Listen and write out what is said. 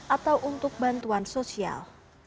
atau untuk bantuan sosial